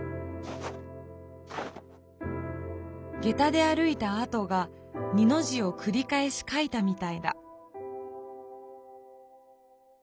「下駄で歩いたあとが二の字をくりかえし書いたみたいだ」。